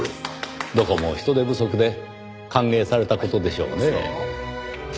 どこも人手不足で歓迎された事でしょうねぇ。